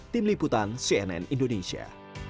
tim liputan cnn indonesia